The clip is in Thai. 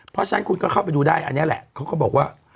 เพราะฉะนั้นคุณก็เข้าไปดูได้อันนี้แหละเขาก็บอกว่า